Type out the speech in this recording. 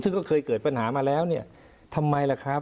ซึ่งก็เคยเกิดปัญหามาแล้วเนี่ยทำไมล่ะครับ